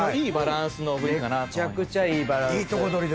めっちゃくちゃいいバランス。